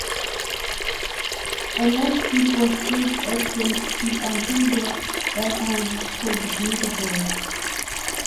A lightship was placed at Sand Key until the lighthouses could be rebuilt.